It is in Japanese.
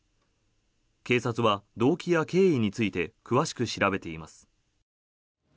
警察は動機や経緯について詳しく調べています。